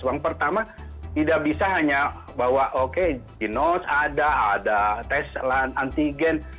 yang pertama tidak bisa hanya bahwa oke genos ada ada tes antigen